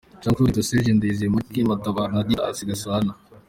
-Jean-Claude Nkubito, -Serge Ndayizeye, -Marc Matabaro na -Didas Gasana